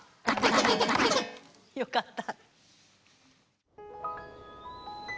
よかった。